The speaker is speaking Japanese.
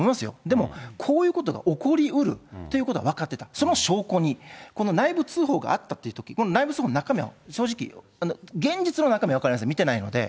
でも、こういうことが起こりうるということは分かってた、その証拠に、この内部通報があったっていうとき、この内部通報の中身、正直、現実の中身は分からないですよ、見てないので。